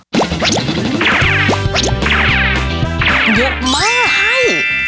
เยอะมาก